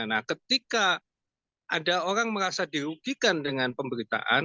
nah ketika ada orang merasa dirugikan dengan pemberitaan